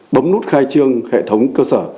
bấm nút khai trương hệ thống cơ sở